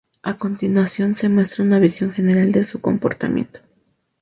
A continuación se muestra una visión general de su comportamiento.